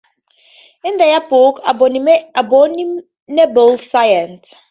In their book Abominable Science!